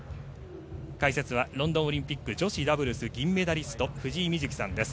解説はロンドンオリンピック女子ダブルス銀メダリスト藤井瑞希さんです。